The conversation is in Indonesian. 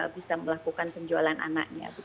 bisa melakukan penjualan anaknya